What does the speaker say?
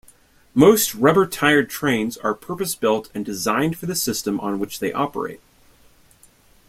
Most rubber-tyred trains are purpose-built and designed for the system on which they operate.